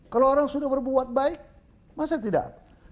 kalau orang sudah berbuat baik masa tidak